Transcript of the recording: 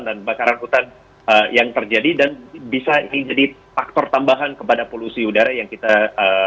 dan kebakaran hutan yang terjadi dan bisa menjadi faktor tambahan kepada polusi udara yang kita lakukan